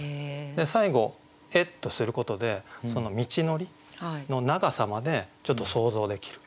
最後「へ」とすることでその道のりの長さまで想像できる。